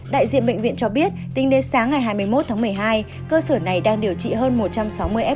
đại diện bệnh viện cho biết tính đến sáng ngày hai mươi một tháng một mươi hai cơ sở này đang điều trị hơn một trăm sáu mươi f